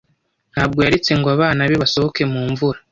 Ntabwo yaretse ngo abana be basohoke mu mvura.